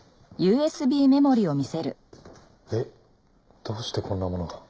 えっ？どうしてこんなものが。